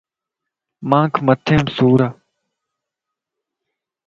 مانک مٿي مَ سُور ا.